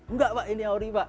enggak pak ini hori pak